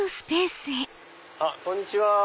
こんにちは。